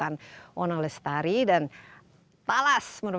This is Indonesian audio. ini mungkin sudah cukup